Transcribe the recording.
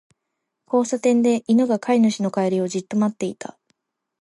交差点で、犬が飼い主の帰りをじっと待っていた。